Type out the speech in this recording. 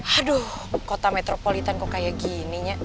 aduh kota metropolitan kok kayak gininya